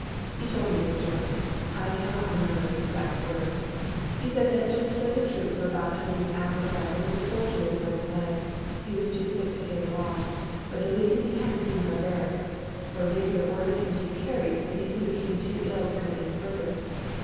He told me this story. I cannot remember his exact words. He said that just when the troops were about to leave Africa there was a soldier with a broken leg. He was too sick to take along, but to leave him behind seemed barbaric. Lord Napier ordered him to be carried, but he soon became too ill to go any further.